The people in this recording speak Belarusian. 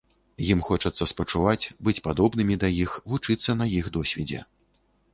Ім хочацца спачуваць, быць падобнымі да іх, вучыцца на іх досведзе.